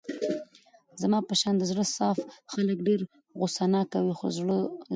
زما په شان د زړه صاف خلګ ډېر غوسه ناکه وي خو زړه روغ.